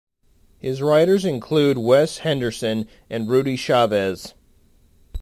His writers include Wes Henderson and Rudy Chavez.